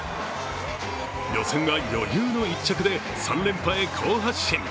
予選は余裕の１着で、３連覇へ好発進。